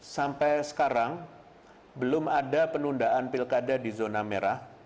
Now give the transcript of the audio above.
sampai sekarang belum ada penundaan pilkada di zona merah